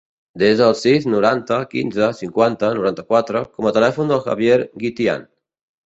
Desa el sis, noranta, quinze, cinquanta, noranta-quatre com a telèfon del Javier Guitian.